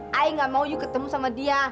saya nggak mau you ketemu sama dia